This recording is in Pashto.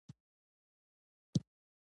په پردۍ ژبه یې خبرې کولې چې پښتو نه وه.